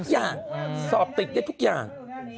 อยากสอบติดได้ทุกอย่าง